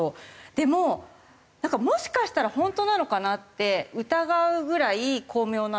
でももしかしたら本当なのかなって疑うぐらい巧妙なので。